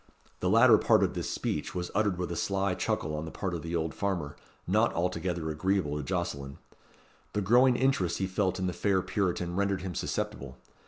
The latter part of this speech was uttered with a sly chuckle on the part of the old farmer, not altogether agreeable to Jocelyn. The growing interest he felt in the fair Puritan rendered him susceptible.